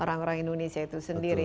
orang orang indonesia itu sendiri